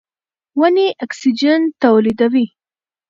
ونې اکسیجن تولیدوي.